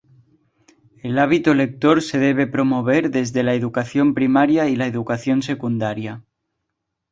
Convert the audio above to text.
El hábito lector se debe promover desde la educación primaria y la educación secundaria.